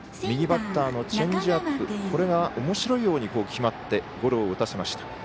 右バッターのチェンジアップこれが、おもしろいように決まって、ゴロを打たせました。